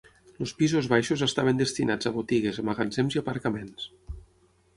Els pisos baixos estaven destinats a botigues, magatzems i aparcaments.